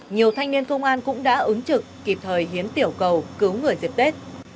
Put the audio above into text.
nhiều thanh niên công an cũng đã ứng trực kịp thời hiến tiểu cầu cứu người dịp tết